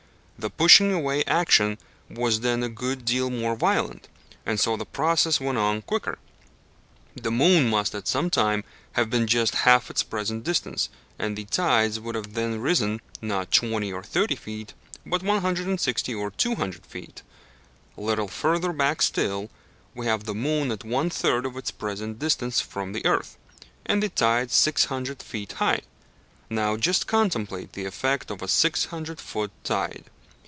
The pushing away action was then a good deal more violent, and so the process went on quicker. The moon must at some time have been just half its present distance, and the tides would then have risen, not 20 or 30 feet, but 160 or 200 feet. A little further back still, we have the moon at one third of its present distance from the earth, and the tides 600 feet high. Now just contemplate the effect of a 600 foot tide.